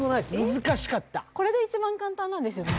難しかったこれで一番簡単なんですよね？